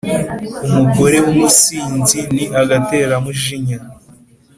Umugore w’umusinzi ni agateramujinya,